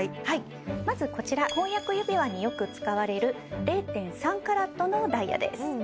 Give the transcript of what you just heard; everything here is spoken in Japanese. はいまずこちら婚約指輪によく使われる０．３ｃｔのダイヤです